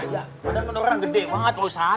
padahal memang orang besar larus street